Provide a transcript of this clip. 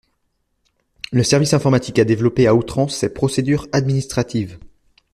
Le service informatique a développé à outrance ses procédures administratives.